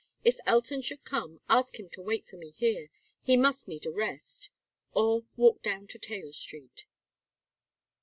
If Elton should come, ask him to wait for me here he must need a rest or walk down Taylor Street."